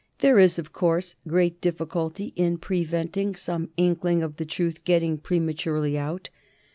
There is, of course, great difficulty in preventing some inkling of the truth getting prematurely out.